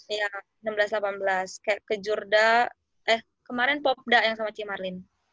iya enam belas delapan belas kayak ke jurda eh kemarin popda yang sama cimarin